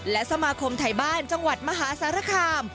และสมาคมไทยบ้านจังหวัดมหาสารคาม